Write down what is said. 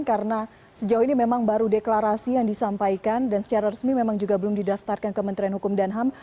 karena sejauh ini memang baru deklarasi yang disampaikan dan secara resmi memang belum didaftarkan kementerian hukum dan ham